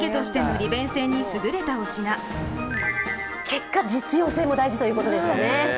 結果、実用性も大事ということでしたね。